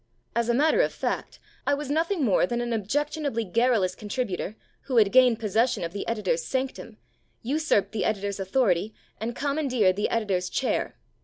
As a matter of fact, I was nothing more than an objectionably garrulous contributor who had gained possession of the editor's sanctum, usurped the editor's authority, and commandeered the editor's chair.